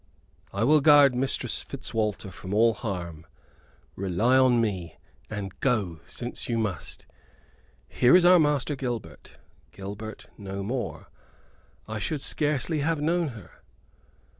"I will guard Mistress Fitzwalter from all harm, rely upon me. And go, since you must. Here is our Master Gilbert Gilbert no more. I should scarcely have known her."